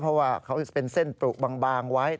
เพราะว่าเขาจะเป็นเส้นปรุบางไว้